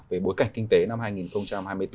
về bối cảnh kinh tế năm hai nghìn hai mươi bốn